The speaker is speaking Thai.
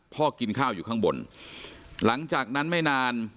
กินข้าวอยู่ข้างบนหลังจากนั้นไม่นาน